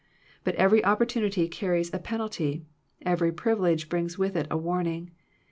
But every opportunity carries a penalty; every privilege brings with it a warning.